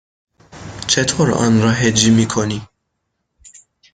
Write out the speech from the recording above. چطور آن را هجی می کنی؟